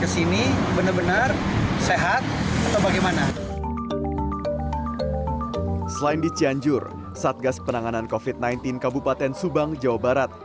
selain di cianjur satgas penanganan covid sembilan belas kabupaten subang jawa barat